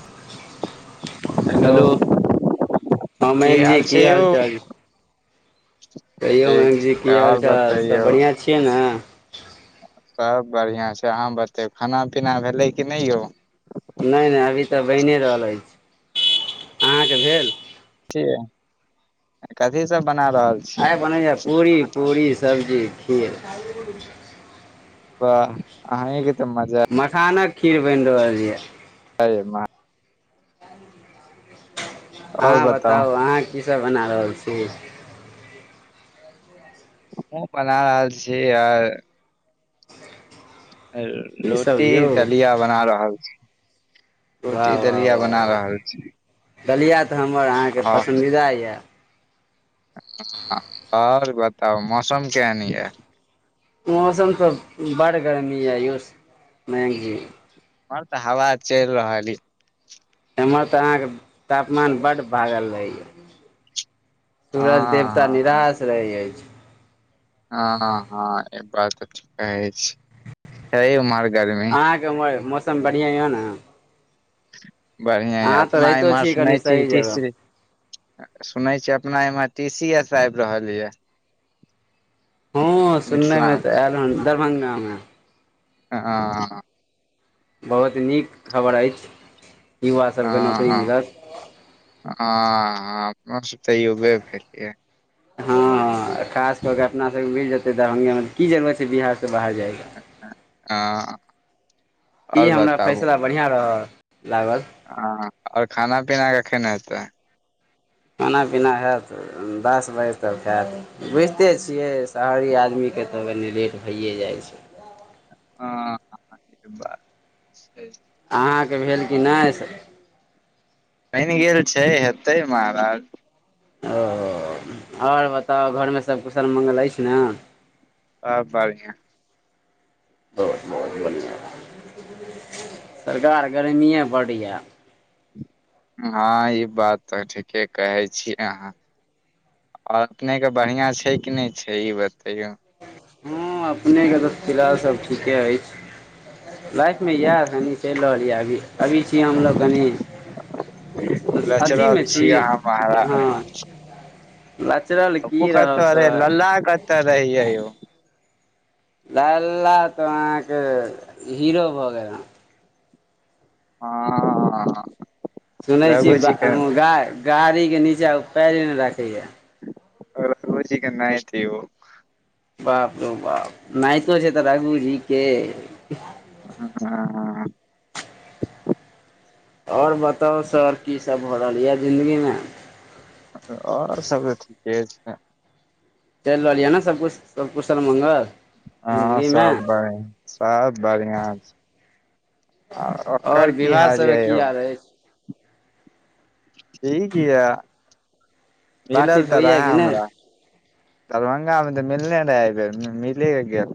[unintelligible] Hello हँ महिम जी की हाल चाल कहियौ ठीक महिमा जी छै की हाल आओर चाल सब बतैयौ बढ़िआँ छियै न सब बढ़िआँ छै। अहाँ बतेब खाना पीना भेलै कि नहि यौ नहि नहि अभी तऽ बनि रहल अछि अहाँके भेल कथी सब बना रहल छियै आइ बनै छै पूरी पूरी सब्जी खीर बह अहिक तऽ मजा मखानक खीर बनि रहल यऽ अरे बाह अहाँ बताउ अहाँ कीसभ बना रहल छी ह बना रहल छी यार कीसभ रोटी यौ दलिया बना रहल वाह रोटी वाह दलिया वाह बना वाह रहल छी दलिया तऽ हमर अहाँके आ पसन्दीदा यऽ आओर बताउ मौसम केहन यऽ मौसम तऽ बड़ गर्मी य यौ नै क आओर तऽ हवा चलि रहल य हमर तऽ अहाँके तापमान बड्ड भागल रहैय सूरज हँ देवता हँ निराश रहै अछि हँ हँ एक बात तऽ ठिक कहै छी कहै मारग अहाँके मौसम बढ़िआँ य न बढ़िआँ य अपना इम्हर छी सुनै कनि छियै सही इतिश जगह सुनै छिय अपना एम्हर टी सी एस आबि रहल यए हँ सुननेमे तऽ आयल हन दरभंगामे हं बहुत नीक खबर अछि युवा सभके हँ नौकरी मिलत हँ अपनो सब तऽ युवे भेलियै हँ हँ खास कऽ के अपना सबके मिल जेतै दरभंगे मे त की जेबै एते बिहार मे त बाहर जाइक हँ ई आओर हमरा बताबू फैसला बढ़िआं रहल लागल हँ आओर खाना पीना कखन हेतै खाना पीना हेत दस बजे तक खेएब बुझिते छियै शहरी आदमीे तब कनि लेट भैए जाइ छै। ह बात अहाँके भेल कि नहि बनि गेल छै हेतै महाराज ओ आओर बताउ घरमे सभकुशल मङ्गल अछि न आ बढिया बहुत बहुत धन्यबाद सरकार गर्मिए बड य हँ ई बात तऽ ठीके कहै छियै अहाँ आ अपनेके बढ़िआँ छै। कि नहि छै। ई बता हँ अपनेके तऽ फिलहालसभ ठीके अछि लाइफमे इएह तनि चलि रहल यए अभी अभी छी हमलोग कनि लचरल अथिमे छी अहाँ हँ लचरल उ की रहब कते रहे सर लला कते रहियौ लल्ला तऽ अहाँके हीरो भऽ गेल ह ह सुनै छी गा गाड़ीके नीचाँ पैर नहि राखैए रोजी केनाएथे ओ [inaudible] बाप रहौ बाप नतो छै तऽ रखू जी के ह ह ह आओर बताउ सर की सब भऽ रहल य जिंदगी में आओर सब तऽ ठीके छै। चलि रहलि यै ने सबकुछ सब कुसलमंगल हँ सब बढ़ि सब बढ़िआँ छै। आ ओकर आओर की विवाह हाल सब य की यौ आर अछि ठीक यऽ मिलल बातचीत तऽ होइया रहे कि नहि हमरा दरभंगा मे तऽ मिलने रहा आईबेर मिले क गेल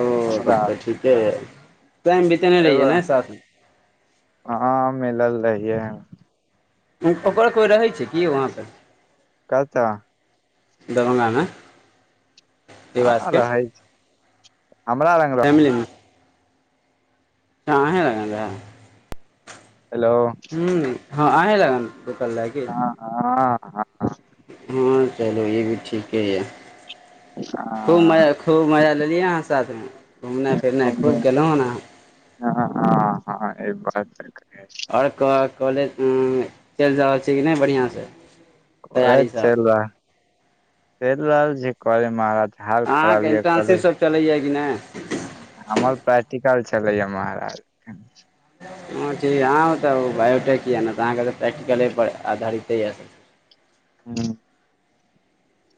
ओ तब हमरा तऽ ठीके है टाइम बीतेने रहियए एगो ने साथमे हँ मिलल रहियै ओकर कोइ रहै छै। की वहाँ पर क तऽ दरभंगा में हँ रवासके रहै छी हमरा लग रह फैमिलीमे कह हे लग जा [unintelligible] हेलो हँ अहीँ लगन रुकल रहै की ह ह ह हँ चलू ई भी ठीके यए खूब हँ मजा खूब मजा लेलियै अहाँ साथमे घुमनाइ फिरनाइ हँ। खूब गेलहुँ हन अ हँ हँ हँ ई बात देख आओर कह कॉलेज चलि जा रहल छी कि नई बढ़िया से करै चल चल रहल जे करै मार अहाँके इंटर्नशिप सब चलैया कि नय हमर प्राक्टिकल छलै महराज हँ ठीक आहउ तऽ बायोटेक यए ने तऽ अहाँकेँ तऽ प्रैक्टिकलेपर आधारिते यए [inaudible] हँ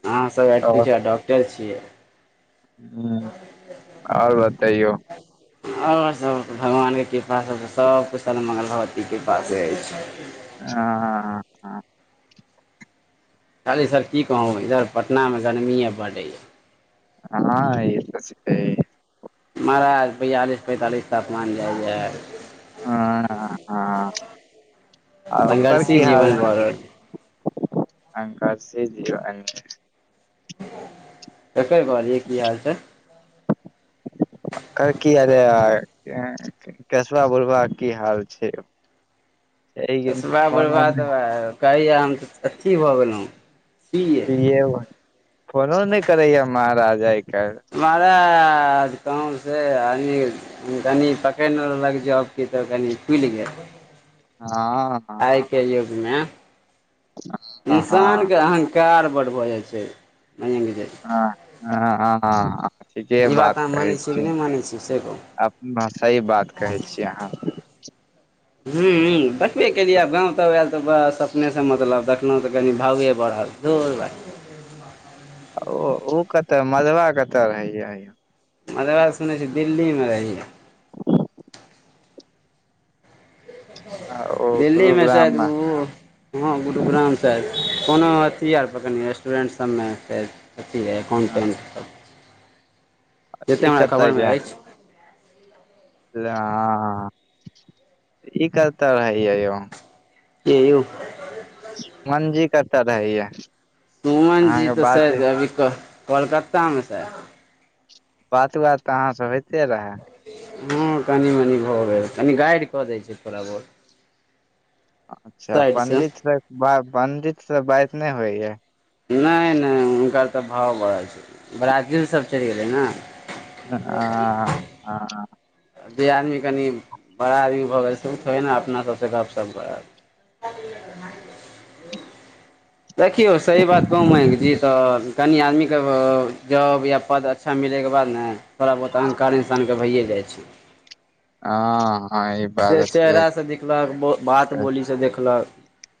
अहाँसभ एच डॉक्टर छियै ह आओर बतैयो आओर सब भगवानके कृपा स सब सब कुशल मगल भगवतीक कृपा स अछि हँ ह हँ हँ कहली सर की कहू इधर पटना मे गर्मिए बढ़ आईं हँ ई छै महाराज बियालिस पैंतालिस तापमान जाइ हए हँ हँ आ ओकर संघर्षी की हाल जीवन भऽ रहल छै अकार से दऔ एकर कहलिय की हाल छै [unintelligible] कर की अरे कसबा बोलबा की हाल छै छै रसबा फोन बुढ़वा उन तऽएह कहैयै हम तऽ अथी भऽ गेलहुँ फोनो न करैय महाराजा एक महराज कहू से आदमी कनि पकड़िने रहलक जब कि तऽ कनि फुलि गेल हँ मे हँ हँ इंसानके अहंकार बड़ भऽ जाइ छै मयंक जी हां हां हं हं ठीके ई बात अहाँ कहैइ मानै कि छियै नहि मानै छियै से कहू अप भाषाई बात कहैइ छियै अहाँ हूं देखबे केलियै गाँव तांवऽ आयल तऽ बस अपनेसँ मतलब देखलहुँ तऽ कनि भाउये बढ़ल दूर भाइ ओ ओ कतऽ मधबा कतऽ रहैय मधबा सुनै छी दिल्ली में रही ओ दिल्ली में शायद गुरुग्राम मे ओ ह गुरु ग्राम में शायद कोनो अथी आर पकरने अइ रेस्टोरेंट्स सब में अथी हइ अकाउंटेंट सब जेते ई हमरा कतऽ खबरमे अछि ला आ आ ई कतऽ रहैय यौ के यो मनजी कतऽ रहै या सुमन जी तऽ शायद अभी क कलकत्ता में शायद बात बात तऽ अहाँ से होइते रहै हँऽ, कनि-मनि भऽ गेल। कनि गाइड कऽ दै छी, थोड़ा-बहुत। अच्छा, पंडितसँ पंडितसँ बात नइ होइय। नई नई, हुनकर तऽ भाव बढ़ल छैइ। ब्राजील सब चलि गेलैइ न। हां हां जे आदमी कनि बड़ा आदमी भऽ गेल छैइ ओ थोड़े न अपना सबसँ गपशप करत [inaudible] देखियौ सही बात कहूं हैं जी तऽ कनि आदमी के जॉब या पद अच्छा मिल तैइके बाद न थोड़ा बहुत अहंकार इन्सानके भैइए जाइ छैइ हां से चेहरा से दिखलक बात बोली से दिखलक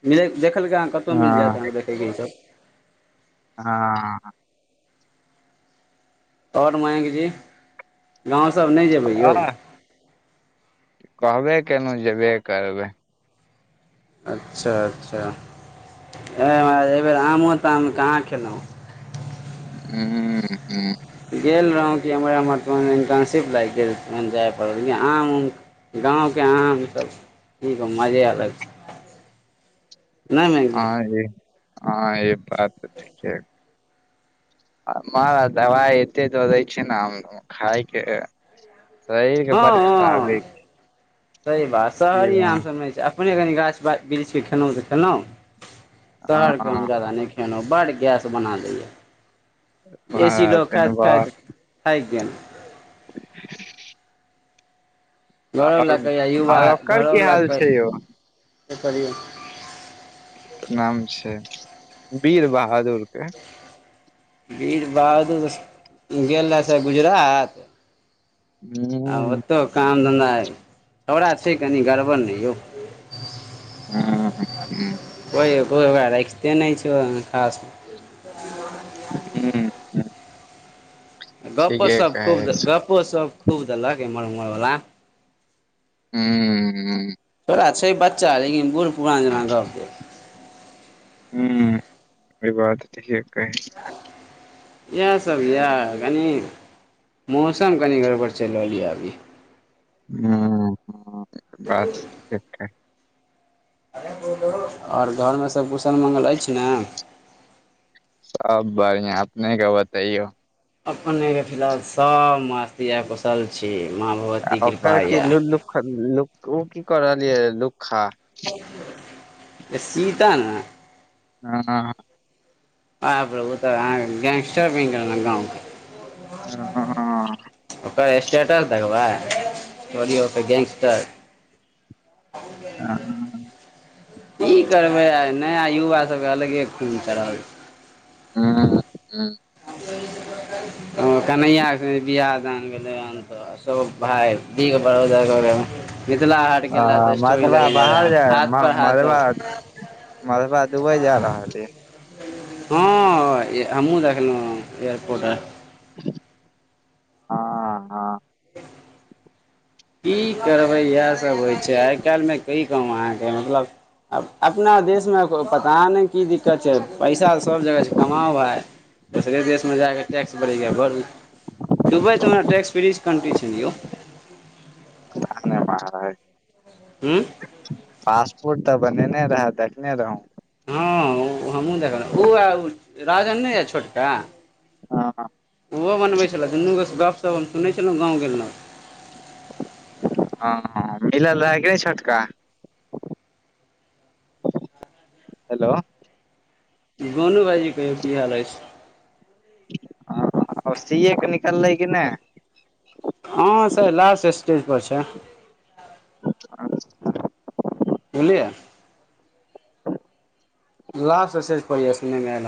मिलित देख अहाँ कतहु मिल जायत अहाँके देखयके ईसभ हां और मयंकजी गांव सब नई जेबै यौ हँ फेनु जेबे करबैइ अच्छा अच्छा हे एहि बेेर आमो ताम कहाँ खयलहुँ ऊं ऊं गेल रहौं कि हमरा मतलब इंटर्नशिप लागि गेल, जाय पड़ल, लेकिन आम। गामक आमसभ ई मजे अलग छैइ। नई नई गेल हँऽ, ई बात तऽ ठीके। मारा दवाई एते दऽ दैइछ नऽ, खाइके। हँऽ, हँऽ, सही बात। की शहरी आमसभ नहि छैइ। अपने कनि गाछ-वृक्षक खेनौं तऽ खेनौं, शहरके हम हँ जादा नई खेनौं। बड्ड गैस बना दैय। एसी महाराज लऽ तेनबा खाइत-खाइत थाकि गेन। घरव आओर लकै, युवा आओर ओकर घरव की हाल लकै छै यौ करियौ। [inaudible] नाम छैइ बीर बहादुर के। वीर बहादुर गेल रहौ सब गुजरात। आ हूँ ओतहु काम-धन्धा छौड़ा छैइ, कनि गड़बड़ नई यौ। ओइ। हूँ हूँ कोई ओकरा रखिते नहि छैइ खासमे। हूंऽ, हूंऽ। गप्पो सब खूब, छी गप्पो सब खूब देलक, एम्हर-उम्हरवला। हूंऽ, हूंऽ। छै बच्चा, लेकिन बूढ़-पुरान जेना गप भेल। हँ, ई बात तऽ ठीके। इएहसभ यए, कनी। मौसम कनि गड़बड़ चलि रहल यए अभी। ह बात ठे छै ओर घरमे सभ कुसल-मंगल अछि ने? सब बढ़िआ। अपने कऽ बतइयो। अपने के फिलहाल सब मस्तीमे यऽ, कुशल छी। माँ आ भगवती ओकर कृपा कऽ यऽ ओ की कऽ रहलियै, लूखा। सीता न ह ह प्रभु, तऽ गेंगस्टर बी गेल गामके। ह ह ह ओकर स्टेटस देखबै चोलियौ त गैंगस्टार ह ह की करबै आइ नया युवा सभके अलगे खूल चढ़ब ह ह [unintelligible] कन्हैया के बियाह-दान भेलै हन, तऽ सभ भाय बिग बड़ोदर। मिथिलला हाट गेल रहै, तऽ स्टोरी मधबा लगेने रहै, हाथ पर हाथ धऽ के। मरबा दुबई जा रहा छै। हँ हमहूँ देखलहुँ एयरपोर्ट आ। हँऽ, हँऽ। की करबै, इएहसभ होइ छै आइकाल्हिमे। की कहू, अहाँके मतलब आब? अपना देशमे पता नहि की दिक्कत छै। पैसा तऽ सब जगह छै, कमाउ भाय। दोसरे देशमे जाके। टैक्स बढ़ै। दुबई तऽ ओरा टैक्स-फ्री कन्ट्री छल यौ। हूँ फास्ट फूड तऽ बने ने रहत। देखने रहु। हमहु देखलहु। ओ उराजन नहि यऽ, छोटका। हँ ओहो बनबै छल, दुनू गप। तब सुनै छल गाम-गलू। हँ मिलल रहैके नहि, छोटका। हेलो गोनू भाइजी की हाल अछि ह आर सीए के निकललै कि नहि हँ सर लास्ट स्टेजपर छै [unintelligible] बुझलियै लास्ट स्टेज पे या सुने मे अयल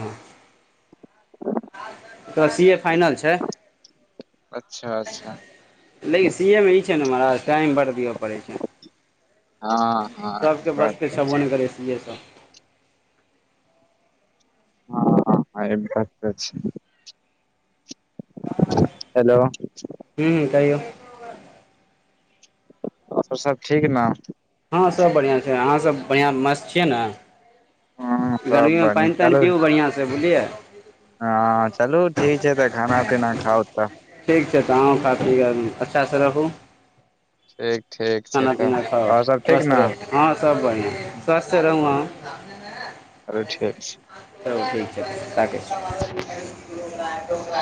तऽ सी ए फाइनल छै अच्छा अच्छा लेकिन सी ए मे ई छै ने महराज टाइम बर दिअ पड़ै छै हँ हँ ई सबके बात बसके तऽ छै छबो नहि करेसिे सब हँ ह हँ एब बात छै हेलो हूँ हूँ कहियौ त सब ठीक ने हँ सभ बढ़िआँ छै अहाँसभ बढ़िआँ मस्त छियै ने ह सब गरमीमे बढ़िया पानि तानि चलू पिू बढ़िआँसँ बुझलियै हँ चलू त ठीक छै तऽ खाना पीना खाउ तऽ ठीक छै तऽ अहू खातिर अच्छासँ रहू ठीक ठीक छै खाना तऽ पीना खाओ आओर सब ठीक स्वस्थ न रहो हँ सब बढ़िआं स्वस्थ रहु आँहा चलू ठीक छै चलू ठीक छै राखै छी [unintelligible]